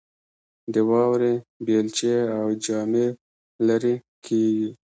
د واورې بیلچې او جامې لیرې کیږي